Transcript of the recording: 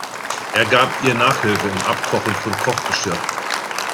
Er gab ihr Nachhilfe im Abkochen von Kochgeschirr.